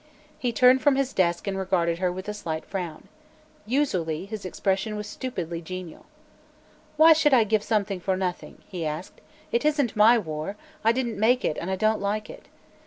He turned from his desk and regarded her with a slight frown. Usually his expression was stupidly genial. "Why should I give something for nothing?" he asked. "It isn't my war; I didn't make it, and I don't like it.